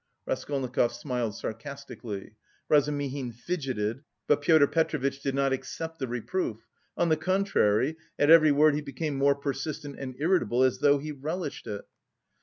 Raskolnikov smiled sarcastically, Razumihin fidgeted, but Pyotr Petrovitch did not accept the reproof; on the contrary, at every word he became more persistent and irritable, as though he relished it.